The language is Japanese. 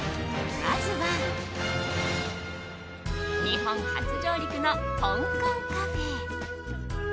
まずは日本初上陸の香港カフェ。